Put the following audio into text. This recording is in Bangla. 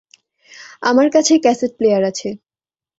আমার কাছে ক্যাসেট প্লেয়ার আছে।